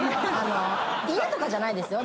嫌とかじゃないですよ。